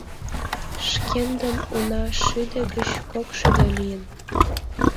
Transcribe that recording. Шкендын уна шӱдӧ гыч кок шӱдӧ лийын!..